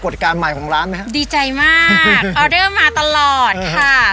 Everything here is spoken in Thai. ดีใจมากออด้อมาตลอดค่ะ